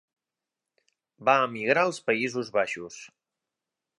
Va emigrar als Països Baixos.